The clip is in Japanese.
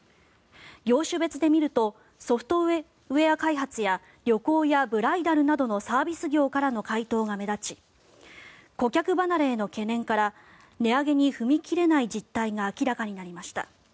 業種別で見るとソフトウェア開発や旅行やブライダルなどのサービス業からの回答が目立ち顧客離れへの懸念から値上げに踏み切れない実態が明らかになりました。